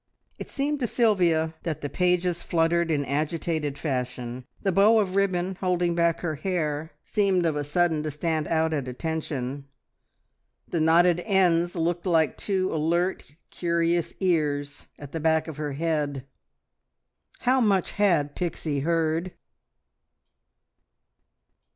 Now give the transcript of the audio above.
It seemed to Sylvia that the pages fluttered in agitated fashion, the bow of ribbon holding back her hair seemed of a sudden to stand out at attention, the knotted ends looked like two alert, curious ears at the back of her head. How much had Pixie heard?